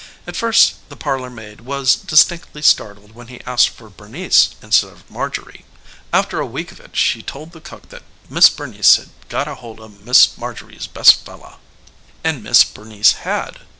At first the parlor maid was distinctly startled when he asked for Bernice instead of Marjorie; after a week of it she told the cook that Miss Bernice had gotta holda Miss Marjorie's best fella. And Miss Bernice had.